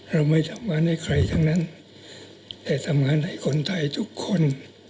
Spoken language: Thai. เราไม่ทำงานให้ใครทั้งนั้นแต่ทำงานให้คนไทยทุกคน